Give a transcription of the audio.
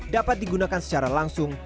dapat digunakan secara langsung